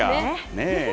ねえ。